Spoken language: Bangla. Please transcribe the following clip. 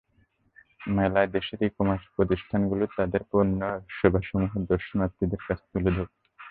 মেলায় দেশের ই-কমার্স প্রতিষ্ঠানগুলো তাদের পণ্য এবং সেবাসমূহ দর্শনার্থীদের কাছে তুলে ধরবে।